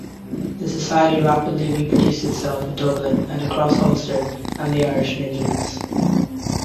The society rapidly reproduced itself in Dublin and across Ulster and the Irish midlands.